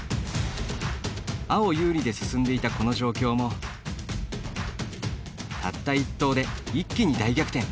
青、有利で進んでいたこの状況もたった１投で、一気に大逆転！